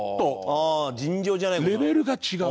ああ尋常じゃない。